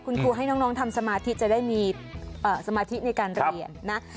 คุณครูให้น้องทำสมาธิจะได้มีสมาธิในการเรียนนะ